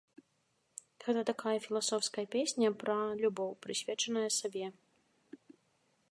Гэта такая філасофская песня пра любоў, прысвечаная саве.